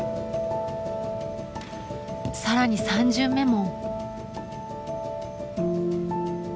更に３巡目も。